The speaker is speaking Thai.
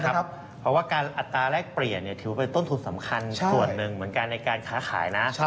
เพราะว่าการอัตราแรกเปลี่ยนถือเป็นต้นทุนสำคัญส่วนหนึ่งเหมือนกันในการค้าขายนะ